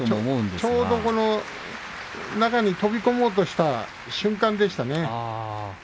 ちょうど中に飛び込もうとした瞬間でしたね。